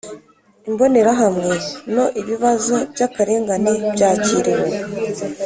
Imbonerahamwe No Ibibazo by akarengane byakiriwe